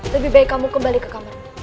lebih baik kamu kembali ke kamarmu